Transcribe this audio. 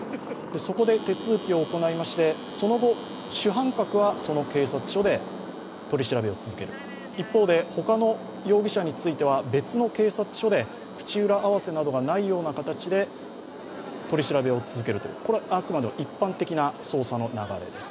そこで手続きを行いましてその後主犯格はその警察署で取り調べを続ける、一方で他の容疑者については別の警察署で口裏合わせなどがないような形で取り調べを進めるというこれはあくまでも一般的な捜査の流れです。